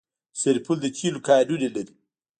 سرپل د تیلو کانونه لري